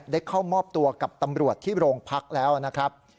ได้เข้ามอบตัวกับตำรวจที่โรงพักแล้วนะครับ